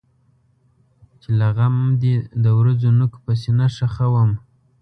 چې له غم دی د ورځو نوک په سینه خښوم.